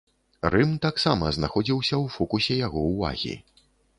Рым таксама знаходзіўся ў фокусе яго ўвагі.